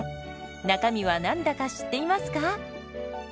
中身は何だか知っていますか？